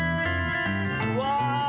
うわ！